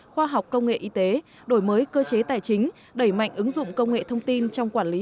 khoa học công nghệ y tế đổi mới cơ chế tài chính đẩy mạnh ứng dụng công nghệ thông tin trong quản lý